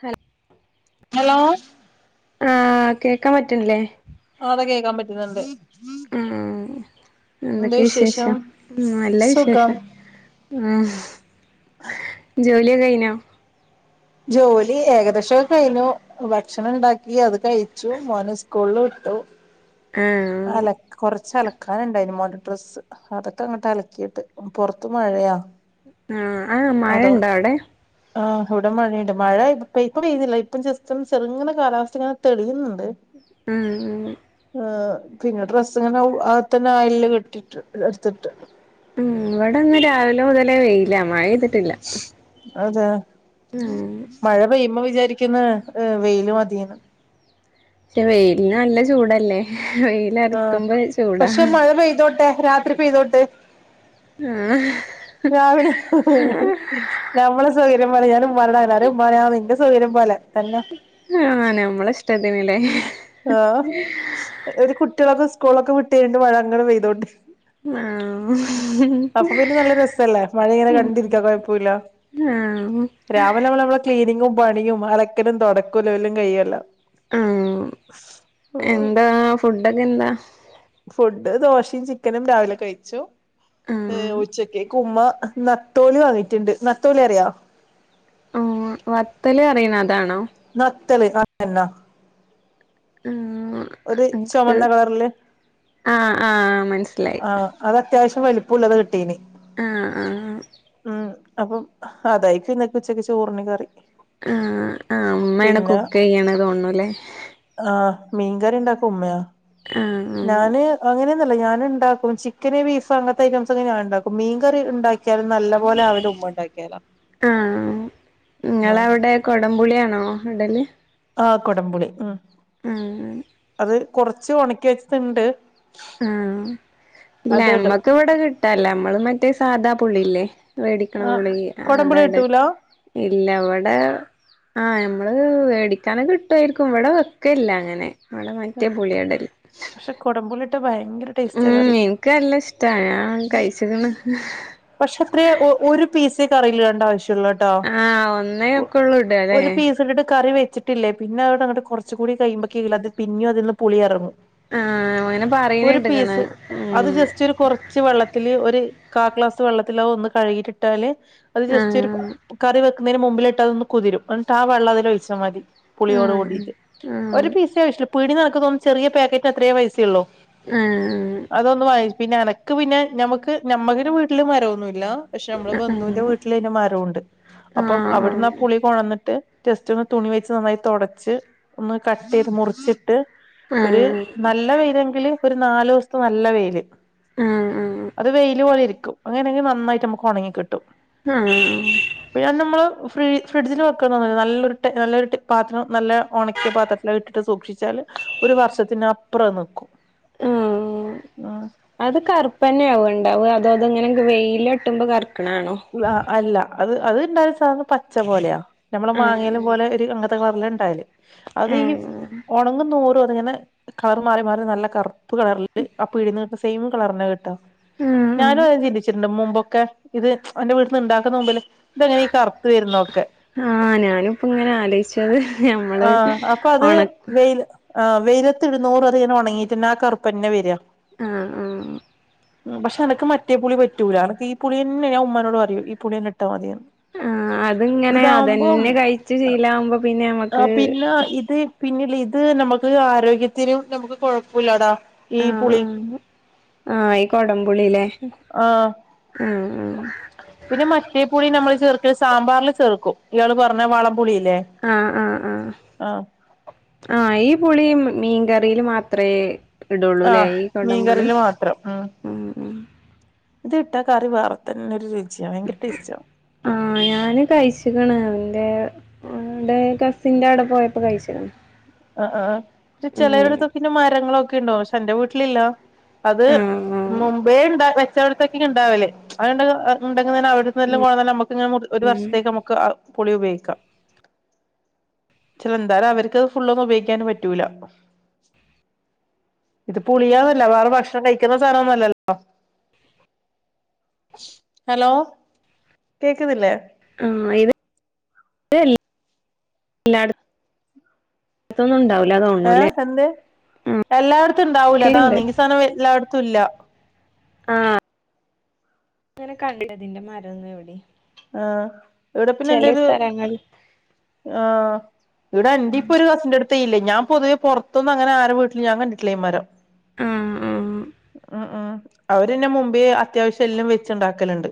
ഹൽ ഹലോ ആഹ് കേക്കാൻ പറ്റ്ണ്ല്ലേ ആഹ് അതെ കേക്കാൻ പറ്റ്ന്ന്ണ്ട് ഉം എന്തൊക്കെ വിശേഷം നല്ല സുഖം വിശേഷം അംഹ് ജോലിയൊക്കെ കഴിഞ്ഞോ ജോലി ഏകദേശൊക്കെ കയിഞ്ഞു ഭക്ഷണം ണ്ടാക്കി അത് കയിച്ചു മോന് സ് കൂൾള് വിട്ടു ആഹ് അലക് കൊറ ച്ചലക്കാന്ണ്ടായിന് മോന്റെ ഡ്രസ്സ് അതൊക്കങ്ങട്ട് അലക്കീട്ട് പൊറത്ത് മഴയാ ആഹ് അന് മഴണ്ടോ അവ്ടെ ആഹ് ഹു വ്ടെ മഴേണ്ട് മഴ ഇപ് ഇപ്പ പെയ്യ്ന്നില്ല ഇപ്പം ജസ്റ്റ് ചെറ്ങ്ങനെ കാലാവസ്ഥങ്ങനെ തെളിയ്ന്ന്ണ്ട് ആഹ് ആഹ് ഏഹ് പിന്നെ ഡ്രസ്സ് ങ്ങനെ ഔവ് അകത്തെന്നെ അയൽല് കെട്ടിട്ട് എട്ത്ത്ട്ട് ഉം ഇവടന്ന് രാവിലെ മുതലേ വെയിലാ മഴെയ്തിട്ടില്ല അതെ മഴ പെയ്യുമ്പോ വിചാരിക്ക്ന്ന് ഈഹ് വെയില് മതീന്ന് ക്ഷെ വെയിൽന് നല്ല ചൂടല്ലേ വെയ്ൽ ആഹ് പക്ഷെ മഴ പെയ്തോട്ടെ രാത്രി പെയ്തോട്ട് ആഹ് രാവിലെ ഞമ്മളെ സൗര്യം പോലെ യ്യാനും മരടായല്ലോ അത് ഇമ്മറിം നിന്റെ സൗര്യം പോലെ തന്നെ ആഹ് ഞമ്മളെ ഇഷ്ടത്തിന് ലെ ഒര് കുട്ട്യാളൊക്കെ സ്കൂളെക്കെ വിട്ട് കഴിഞ്ഞിട്ട് മഴ അങ്ങനെ പെയ്തോട്ടി ആഹ് അപ്പൊ പിന്നെ നല്ല രസല്ലേ മഴ ഇങ്ങനെ ഉം കണ്ടിരിക്ക കൊഴപ്പൂല്ല ആഹ് രാവിലവളെവളെ ക്ലീനിങ്ങും പണിയും അലക്കലും തൊടക്കുലും എല്ലും കയ്യല്ലോ മ് എന്താ ഫുഡൊക്കെ എന്താ ഫുഡ് ദോശയും ചിക്കനും രാവിലെ കയ്ച്ചു ആഹ് ഉച്ചയ്ക്ക് കുമ്മ നത്തോലി വാങ്ങീറ്റ്ണ്ട് നത്തോലി അറിയോ ആഹ് വത്തല് റയ്ന്നെ അതാണോ നത്തല് അ എന്ന ഉം ഒര് ചൊമന്ന കളറില് ആഹ് ആഹ് മനസ് ആഹ് അത് അത്യാവശ്യം വലുപ്പൂല്ലത് കിട്ടീന് ആഹ് ആഹ് മ് അപ്പം അതായ്ക്കും ഇന്നക്ക് ഉച്ചക്ക് ചോറിന് കറി ആഹ് അ മ്മേണ് പിന്നെ കുക്ക് ചെയ്യണെ തോന്ന്ണുല്ലേ ആഹ് മീൻകറി ണ്ടാക്ക ഉമ്മയാ ആഹ് ആഹ് ഞാന് അങ്ങനെന്നുല്ല ഞാന് ണ്ടാ ണ്ടാക്കും ചിക്കന് ബീഫ് അങ്ങത്തെ ഐറ്റംസൊക്കെ ഞാൻ ണ്ടാക്കും മീൻ കറി ണ്ടാക്കിയാൽ നല്ല പോലെ ആവൽ ഉമ്മ ണ്ടാക്കിയാലാന്ന് ആഹ് ആഹ് നിങ്ങളവിടെ കൊടംപുളിയാണോ ഇടല് ആഹ് കൊടംപുളി ആഹ് ഉം അത് കൊറച്ച് ഉണക്കി വെച്ചതിണ്ട് ആഹ് ഇല്ല ഇടും നമ്മക്ക് ഇവിടെ കിട്ടാല്ല നമ്മള് മറ്റേ സാധാ പുള്ളില്ലേ മേടിക്കണ ആഹ് പുളി അതാ കൊടംപുളി ഇടല് ഇട്ടൂല ഇല്ല ഇവടെ ആഹ് നമ്മള് മേടിക്കാനൊക്കെ കിട്ടുവായിരിക്കും ഇവിടെ വെക്കയില്ല അങ്ങനെ ഇവിടെ മറ്റേ പുളിയാ ഇടല് പക്ഷെ കുടമ്പുളിയിട്ട ഭയങ്കര ഉം ടേസ്റ്റാ കറി എനിക്ക് നല്ല ഇഷ്ടാ ഞാ പക്ഷെ ഇത്രയ ഒരു പീസെ കറിൽ ഇടണ്ട ആവശ്യ ഉള്ളൂടോ ആഹ് ഒന്നേ ഒ ഒക്കെ ഉള്ളൂ ഇടാല്ലേ ഒര് പീസിലിട്ട് കറി വെച്ചി ട്ടില്ലേ പിന്നെ അവിടുന്ന് അങ്ങോട്ട് കുറച്ചു കൂടി കഴിയ്പോക്ക അത് പിന്നെയും അതിൽന്ന് പുളി ഇറങ്ങും ആഹ് അങ്ങനെ പറയണ ഒരു കേട്ട്ക്കണ് പീസ് അത് ഉം ജസ് ച്ച് ഒരു കൊറച്ച് വെള്ളത്തില് ഒരു കാ ഗ്ലാസ് വെള്ളത്തില് ഒന്ന് കഴുകിട്ടിട്ടാല് അത് ജസ്റ്റ് ഒരു ആഹ് കറി വെക്കുന്നതിന് മുമ്പിലിട്ട് അതൊന്ന് കുതിരും എന്നിട്ട് ആ വെള്ളം അതിൽ ഒഴിച്ചമതി പുളിയോട് ആഹ് കൂടിട്ട് ഒരു പീസ് [unintelligible] ആവിശേയുള്ളൂ പിടിനക്ക ചെറിയ പാക്കറ്റ് അത്രയേ പൈസ ഉള്ളൂ ആഹ് ആഹ് അതൊന്ന് വാങ്ങ പിന്നെന എക്ക് പിന്നെ നമുക്ക് നമ്മടെ വീട്ടില് മരമൊന്നുമില്ല പക്ഷെ നമ്മളെ ആഹ് ആഹ് ബന്ധുവിന്റെ വീട്ടിലീന്റെ മരുണ്ട് അപ്പം അവിടുന്ന് ആ ആഹ് പുളി കൊളന്നിട്ട് ജടെസ്റ്റ് ഒന്ന് തുണി വെച്ച് നന്നായി തുടച്ച് ഒന്ന് കട്ട് ചെയ്ത് മുറിച്ചിട്ട് ആഹ് ഒരു ആഹ് നല്ല വെയിലങ്കില് ഒരു നാലു ദിവസത്തെ നല്ല വെയില് ഉം ഉം അത് വെയിലൽ പോലെ ഇരിക്കും അങ്ങനെയെങ്കിൽ നന്നായിട്ട് നമുക്ക് ഉണങ്ങി കിട്ടും. ആഹ പി നമ്മള് ഫ്ര ഫ്രിഡ്ജന് വെക്കന്നില്ല നല്ലൊരു നല്ലൊ പാത്രം നല്ല ഉണക്കിയ പാത്രം ഇട്ടിട്ട് സൂക്ഷിച്ചാല് ഒരു വർഷത്തിനപ്പറം നക്കും ആഹ് അത് കറുപ്പനെ ആവ ഉണ്ടാവും അതോ അതെങ്ങനെ വെയില ഇട്ടുമ്പോ കറുക്കണാണോ അല്ല അത് അത്ണ്ടായാലും സാധ പച്ച അച്ച പോലെയാ നമ്മള് മാങ്ങയിലും ആഹ് പോലെ ഒരു അങ്ങനത്തെ കളറില ഇണ്ടായല് അത് ഈ ആഹ് ഉണങ്ങുന്ന രോ അങ്ങനെ കളർ മാറി മാറി നല്ല കറുപ്പ് കളറില് അപ്പ ഇ [unintelligible] സെയിം കളറിനെ കിട്ടോ ആഹ് ഞാനും ആഹ് അ ചിന്തിച്ചിട്ടുണ്ട് മുമ്പൊക്കെ ഇത് അവന്റെ വീട്ടന്ന് ഉണ്ടാക്കുന്ന മുമ്പില് ഇതെങ്ങനെ ഈ കറുത്ത് വരുന്നോ ഒക്കെ ആഹ ഞാനിപ്പ ഇങ്ങനെ ആലോചച്ചത് ഞമ്മള് ഉണക്കും ആ് വെയിലൽ ഇരുന്നൂറ് അറിയൻ ഉണങ്ങീട്ട്ന്ന ആ കറുപ്പ തന്നെ വരാ ആഹ് ആഹ് ഉ പക്ഷെ എനക്ക് മറ്റേ പുളി പറ്റൂല എനക്ക് ഈ പുളി തന്നെ ൻ ഉ്മാനോട് പറൂ ഈ പുളിന്നെ ഇട്ടാ മതിയന്ന്. ആഹ് അതിങ്ങനെ ഇതകുമ്പോം അതന്നെ കഴിച്ച് ശീലാവുമ്പോ പിന്നെ ആ നമ്മക്ക് പിന്നെ ഇത് പിന്നെ ഇത് നമുക്ക് ആരോഗ്യത്തിനന് നമുക്ക് കുഴപ്പമില്ലടാ ആ് ആ ആഹ ഈ കൊടംപളിയിലേ ആഹ് ആ ഉ. പിന്നെ മറ്റേ പുളി നമ്മള് ചേർക്ക സാമ്പാറിൽ ചേർക്കും ഇയാള് പറഞ്ഞ വളംപൊളില്ലേ ആഹ് ആഹ ആഹ ആഹ ഈ പുളി മീൻകറിയിൽ മാത്രമേ ഇടുള്ളൂല്ലേ ഈ കുടംപളി പത്രം ഉ. ഇത് ഇട്ടാ കറി വേറ തന്നെ ഒരു രുചിയാ ഭയങ്കര ടേസ്റ്റ കഴിച്ചണ അവന്റെടെ കസിന്റെ അവിടെ പോയപ്പോ കഴിച് ആ് ആ് ചിലരുടത്തൊക്ക പിന്നെ മരങ്ങളൊക്കെ ഉണ്ടോ പക്ഷെ എന്റെ വീട്ടിലില്ല അത് ആഹ് ആഹ് മുമ്പേ ഉണ്ട [unintelligible] ച്ചടത്തേക്ക ഉണ്ടാവല്ലേ ഉണ്ട അവിടു നമുന ഒരു ഉം വർഷത്തേക്ക്ക്ക് പൊളി ഉപയോഗിക്കാം ചില എന്തായാലും അവർക്ക് ഫുള്ളൊന്നും ഉപയിക്കാനും പറ്റൂല്ല. ഇത് പുളിയന്നല്ല വേറെ ഭക്ഷണം കഴിക്കുന്ന സാനമൊന്നുമല്ലല്ലോ ഹലോ കേക്കുന്നില്ലേ ആ ഇത് എല്ലായിടത്ത [unintelligible] അൊന്നുംണ്ടാവില്ല തോ ഏ എന്ത് എല്ലായിടത്തും ഇണ്ടാവൂല അതാ ക്കെണ്ട് നീക്ക് സാധനം എല്ലായിടത്തും ഇല്ല - ആഹ് അങ്ങനെ കണ്ടിട്ടതിന്റെ മരംന്ന് എവിടെ ആഹ ഇവിടെ പിന്നെ എന്റെ ഒരു ആഹ ഇവിടെ എന്റെ ഇപ്പൊ ഒരു കസിന്റെറടുത്തല്ല ഞൻ പൊതുവേ പുറത്തന്നന്ന് അങ്ങന ആര വീട്ടില് ഞാ കിട്ടില്ലേ് ഈ മരം ആഹ ഉം ഉം അവര്ന്നെ മുമ്പേ അത്യാവശ്യം എല്ലാം വെച്ച ഉണ്ടാക്കലുണ്ട്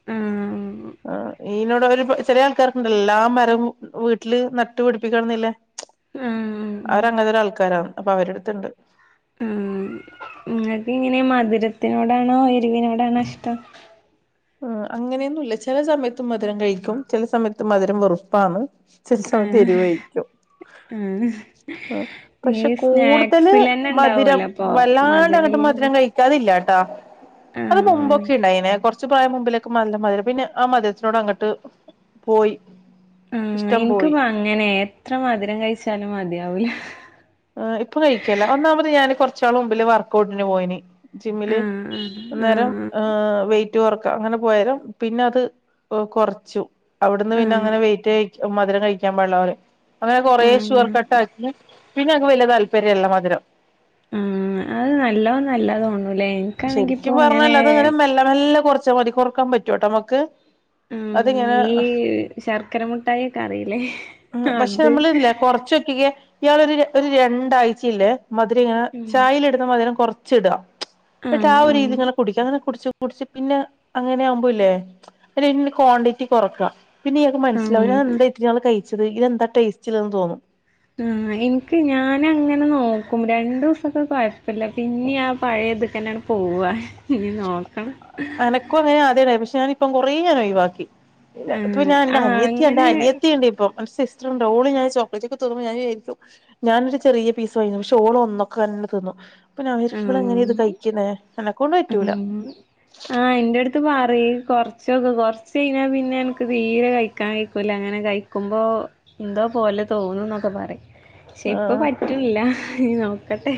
ആഹ് ആ ഇനോട് ഒരു ചെറിയ ആൾക്കാർക്കുണ്ട എല്ലാം മരവും വീട്ടില് നട്ട് പിടിപ്പിക്കണന്നില്ലേ. ആഹ അവര അങ്ങനൊരു ആൾക്കാരാണ് അപ്പൊ അവരുട ടുത്ത്ണ്ട് ആ നിങ്ങൾക്ക് ഇങ്ങനെ മധുരത്തിനോടാണോ എരിവിനോടാണോ ഇഷ്ടം. ആഹ് അങ്ങനെയൊന്നുല്ല ചെല സമയത്ത് മധുരം കഴിക്കും ചെല സമയത്ത് മധുരം വെറുപ്പാണ് [unintelligible] ആഹ് തെരുവഴ്ക്കും ആഹ് ആഹ് ഈ പക്ഷെ കൂടുതല് സ്നാക്സിലന്നെ മധിരം ഇണ്ടാവല്ലോ അപ്പൊ വല്ലാണ്ട് അങ്ങട്ട് മധുരല്ലത് മതുരം കയ്ക്കാതില്ലാട്ടാ അത് ആഹ് മുമ്പൊക്കെ ഉണ്ടായിനേ കൊർ ച്ച് പ്രായം മുമ്പിലേക്കെ നല്ല മധുരം പിന്നെ ആ മധുരത്തിനോട് അങ്ങട്ട് പോയി ഉം ഇഷ്ടം പോയി ഇൻക്കിപ്പ അങ്ങനെ എത്ര മധുരം കഴിച്ചാലും മതിയാവൂല ഇപ്പൊ കഴിക്കല്ല ഒന്നാമത് ഞാന് കൊർച്ചാള് മുമ്പില് വർക്കഔട്ടിന് പോയിനി ജിമ്മില് ആഹ് അന്നേരം ആഹ് ആഹ് വെറ്റ് റ്റ് കൊർക്ക അങ്ങനെ പോയാലും പിന്നെ അത് കൊർച്ചു അവിട്ന്ന് പിന്നെ ആഹ് അങ്ങനെ വെറ്റ് മധുരം കഴിക്കാൻ പാടില്ലഓന്‌ അങ്ങനെ കൊറെേ ഷുഗർ ആഹ് കട്ടാക്കി പിന്നെ അൻക്ക് വല്യതാല്പര്യംല്ല മധ് രം ഉം അത് നല്ലോ നല്ലാതോന്നൂല്ലേ ശരിക്കും പർഞ്ഞാൽ അത് ങ്ങനെ മെല്ലെ മെല്ല കൊറച്ച മതി കൊറക്കാൻ പറ്റുട്ടോ നമക്ക് ആഹ് അത്ങ്ങനെ ഈ ശർക്കര മുട്ടായി ഒക്കെ അറിയില്ലേ പക്ഷെ അത് നമ്മള് ഇല്ലെ കൊർച്ചൊ കെക്കെ ഇയാളൊരു ഒര് രണ്ടാഴ്ചയില്ലേ മധുരം ഇങ്ങനെ ഉം ചായൽട്ന്ന മധുരം കൊർച്ച് ഇട ന്നിട്ട് ആഹ് രീതിങ്ങനെ കുടിക്കാൻന്നെ കുട്ച്ച് കുട്ച്ച് പിന്നെ അങ്ങനെ ആവുമ്പോ ഇല്ലേ പിന്നെ [unintelligible] ക്വാണ്ടിറ്റി കൊറക്കാ പിന്നെ ഇയാക്ക് മനസിലാവു [unintelligible] ഞാൻ ആഹ് എന്ത ഇത്തിരി നാൾ കഴിച്ചത് ഇതിനെന്താടേസ്റ്റ് ഇത് തോന്നും ഉം എൻക്ക് ഞാനങ്ങനെ നോക്കും രണ്ടു ദിവസൊക്കെ കൊഴപ്പല്ല പിന്നെ ആഹ് പഴയ ഇത്ക്കന്നെ പോവ ഇനി നോക്കണം എനക്കുഅങ്ങനെ ആദ്യ ണ്ടായിനി പക്ഷെഞാന് ഇപ്പം കൊറെ ഒഴിവാക്കി ഇല്ല ഇപ്പൊ ആഹ് ഞാൻ എന്റെ ആഹ് അനിയത്തി എന്റെ അങ്ങനെ അനിയത്തിണ്ട് ഇപ്പൊ [unintelligible] ർണ്ട് ഓള് ങ്ങനെ ചോക്ലാറ്റ് ഒക്കെ തിന്നുമ്പോ ഞാൻ വിജാരിക്കും ഞാനൊരു ചെറിയ പീസ് [unintelligible] പക്ഷേഓള് ഒന്നൊക്കെ തന്നെ തിന്നും അപ്പ ഞാൻ വിജാരിക്കും ഇവളെ എങ്ങ ഇത് ആഹ് കഴിക്ക്ണേ എന്നെക്കൊണ്ട് പറ്റൂല ആഹ് ആഹ് ഇന്റെ എട്ത്ത് പറയി കൊർച്ചൊക്കെ കൊർച്ച് കഴിഞ്ഞാ പിന്നെ ഇൻക്ക് തീരെ കഴിക്കാൻ കഴിക്കൂല അങ്ങനെ കഴി നോക്കുമ്പോൾ എന്തോ പോലെ തോന്നുന്നൊക്കെ പറിം ക്ഷെ ഇപ്പ ആഹ് പറ്റൂല്ല ഇഞ്ഞ്നോക്കട്ടെ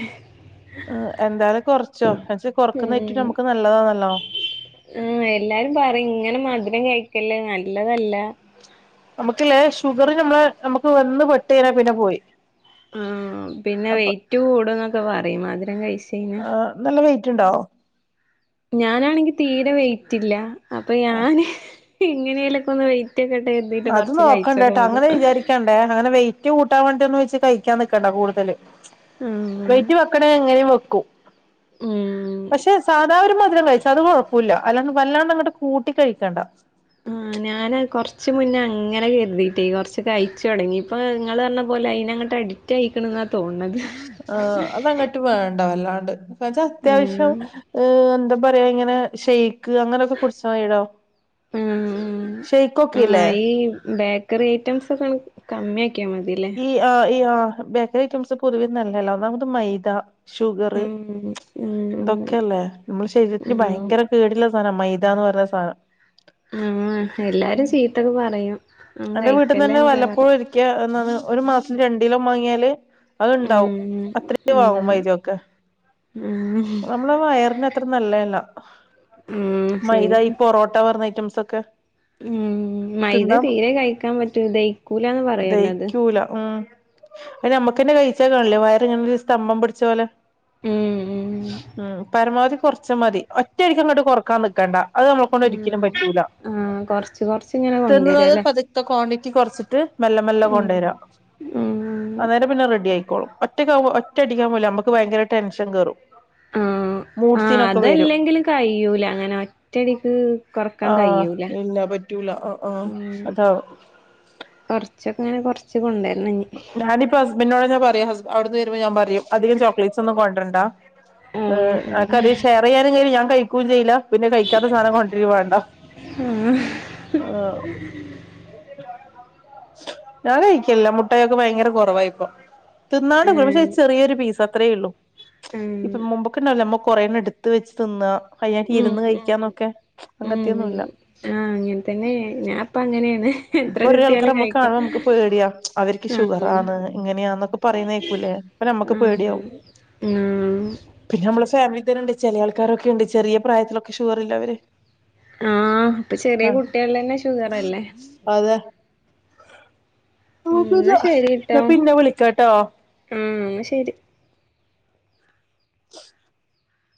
എന്താലും കൊർച്ചോ പക്ഷേ കൊർക്കുന്ന ഏറ്റവും നമക്ക് നല്ലതാണല്ലോ ഉം എല്ലാരും പറയും ഇങ്ങനെ മധുരം കഴിക്കല്ലേ നല്ലതല്ലാ നമുക്ക്ല്ലേ ഷുഗർ നമ്മളെ നമുക്ക് വന്ന് പെട്ടയിഞ്ഞാപിന്നെ പോയി ഉം പിന്നെ അപ്പൊ വെയ്റ്റ് കൂടും ന്നൊക്കെ പറയും മധുരം കഴിച്ചയ്ഞ്ഞാ ആഹ് നല്ല വെയിറ്റ്ണ്ടോ? ഞാനാണെങ്കി തീരെ വെയ്റ്റ് ഇല്ല അപ്പൊ ആഹ് ഞാന് ഇങ്ങനെലൊക്കെ ഒന്ന് വെയ് കുറ്റിയക്കെട്ട് എന്തീട്ട് കൊർച്ച് കഴിച്ചൊക്കെ [unintelligible] ക്കണ്ടേ അങ്ങനെ വെയ്റ്റ് കൂട്ടാൻ വേണ്ടിയെന്ന് വെച്ച് കഴിക്കാൻ നിക്കേണ്ടാ കൂടുതല് ആഹ് വെയ്റ്റ് വെക്ക്ണ എങ്ങനെയും വെക്കും ഉം പക്ഷെ സാധാ ഒരു മധരം കഴിച്ചു അത് കുഴപ്പല്ല അല്ലാന്ന് വല്ലാണ്ട് അങ്ങട്ട് കൂട്ടി കഴിക്കണ്ട ആഹ് ഞാന് കൊർച്ച് മുന്നേ അങ്ങനെ കർതീട്ടേ കൊർച്ച് കഴിച്ചു തൊട്ങ്ങി ഇപ്പൊ നിങ്ങള് പർഞ്ഞ പോലെ അയ്ന അങ്ങട്ട് അടി റ്റായിക്ക്ണ്ന്നാ തോന്ന്ണത് ആഹ് അതങ്ങട്ട് വേണ്ട അല്ലാണ്ട് കച്ച അത്യാവശ്യം ഉം ഏഹ് എന്താ പറയാ ഇങ്ങനെ ശൈ ക്ക് അങ്ങനൊക്കെ കുടിച്ചാതിടോ ഉം ഷെയ്ക്കൊക്കേല്ലേ ആഹ് ഈ ബാ ക്കറി ഐറ്റംസ് ഒക്കെ കമ്മിയ ആക്കിയാൽ മതില്ലേ? ഈ ആഹ് ഈ ആഹ് ബേക്കറി ഐറ്റംസ് പൊതുവേ നല്ലല്ലോ. ഒന്നാമത് മൈദ ഷുഗറ് ഉം ഉം ഇതൊക്കെ അല്ലേ? മ്മളെ ശരീരത്തിന് ഉം ഉം ഭയങ്കര കേടുള്ള സാധനാ മൈദ എന്ന് പറഞ്ഞ സാധനം ഉം എല്ലാരും ചീത്തൊക്കെ പറയും ഒന്നും എന്റെ വീട്ട്ന്ന്ന്നെ കഴിക്കല്ലേന്നൊക്കെ വല്ലപ്പോഴും പറയും ഒരിക്ക എന്നാണ് ഒരു മാസം രണ്ടിലോം വാങ്ങിയാല് അത്ണ്ടാവും ഉം അത്രേ ഉം വാങ്ങും വൈദ്യൊക്കെ ഉം നമ്മള വയറിന് അത്ര നല്ലയല്ല ഉം മൈദ ഈ ശരിയാണ് പൊറോട്ട പറന്ന ഐറ്റംസ് ഒക്കെ ഉം മൈദ തിന്നാ തീരെ കഴിക്കാൻ പറ്റൂല. ദയിക്കൂലാന്ന് പറയൂലോ അത്. ക്കൂല. ഉം. അത് നമ്മക്കന്നെ കഴിച്ചാ കാണ്ല്ലേ വയറിങ്ങനെ ഒരു സ്തംഭം പിടിച്ച പോലെ ഉം ഉം ഉം പരമാവധി കൊറച്ച മതി ഒറ്റടിക്ക് അങ്ങട്ട് കൊറക്കാൻ നിക്കണ്ടാ അത് നമ്മളെ കൊണ്ടൊരിക്കലും ആഹ് പറ്റൂല. ആഹ് കൊറച്ച് കൊറച്ച്ങ്ങനെ തിന്നുന്നത് കൊണ്ടരല്ലേ പതുക്കെ ക്വാണ്ടിറ്റി കൊറച്ചിട്ട് മെല്ലെ മെല്ല ഉം കൊണ്ടേരാ ഉം അന്നേരം പിന്നെ റെഡി ആയിക്കോളും. ഒറ്റക്കാവുമ്പോ ഒറ്റടിക്കാവുമ്പോ ഇല്ലേ അമ്മക്ക് ഭയങ്കര ടെൻഷൻ കേറും ഉം ആഹ് മൂഡ്സീനൊക്കെ വരും അതല്ലെങ്കിലും കയ്യൂല. അങ്ങനെ ഒറ്റടിക്ക് കൊറക്കാൻ കയ്യൂല. റ്റൂല്ല ഓഹ് ഓഹ് അതാവും കൊറച്ചൊക്കെങ്ങനെ കൊറച്ച് കൊണ്ടരണം ഇഞ്ഞി ഞാനിപ്പ ഹസ്ബന്റിനോടന്നേ പറയും. ഹസ് അവിടുന്ന് വരുമ്പോ ഞാൻ പറയും. അധികം ചോക്ലേറ്റ്സ് ഒന്നും കൊണ്ടരണ്ട. ഏഹ് ഉം ഉം ആൾക്കാര് ഷെയറ്യ്യാനും. [unintelligible] ഞാൻ കഴിക്കും ചെയ്യില്ല പിന്നെ കഴിക്കാത്ത സാധനം കൊണ്ട്രീം വേണ്ട. ആഹ് ഞാൻ കഴിക്കലില്ല മു ട്ടയൊക്കെ ഭയങ്കര കൊറവായിപ്പോ തിന്നാണ്ട [unintelligible] പക്ഷേ ഉം ചെറിയൊരു പീസ് അത്രേയുള്ളൂ. ഉം ഇപ്പ മുമ്പൊക്കെ ഇണ്ടാവില്ലേ അമ്മോ കൊറേണ്ണം ഇടുത്ത് വെച്ച് തിന്നാ. കയ്യാക്കി ഉം ഇരുന്ന് കഴിക്കാന്നൊക്കെ. ഉം അങ്ങത്തെ ഒന്നുംല്ല. ഉം ആഹ് അങ്ങനെ തന്നെ ഞാൻപ്പ അങ്ങനേണ് ഇപ്പോ ഒരാൾക്കാരെ നമ്മക്ക് കാണുമ്പോ നമ്മക്ക് പേട്യാ. അവര്ക്ക് ആഹ് ഷുഗറാണ് ഇങ്ങനെയാന്നൊക്കെ പറയണ് കേക്കൂലേ? നമ്മക്ക് ഉം ഉം ഉം പിന്നെമ്മള ഫാമിലി തന്നെണ്ട് ചെല ആൾക്കാരൊക്കെണ്ട്. ചെറിയ പ്രായത്തിലൊക്കെ ഷുഗർ ഇള്ളവര് ആഹ് ഇപ്പ ചെറിയ കുട്ടികൾ ന്നെ ഷുഗറല്ലേ? അതെ ഉം ന്നാ ശരിട്ടോ. ഞാൻ പിന്നെ വിളിക്കാട്ടോ ഉം ന്നാ ശരി